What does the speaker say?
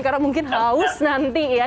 karena mungkin haus nanti ya